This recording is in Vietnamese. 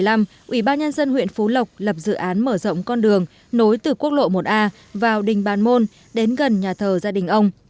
năm hai nghìn một mươi năm ủy ban nhân dân huyện phú lộc lập dự án mở rộng con đường nối từ quốc lộ một a vào đình bàn môn đến gần nhà thờ gia đình ông